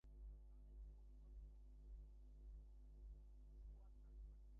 Only active-duty Cossacks were allowed to take part in this enterprise.